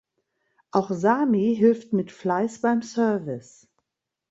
Auch Sami hilft mit Fleiß beim Service.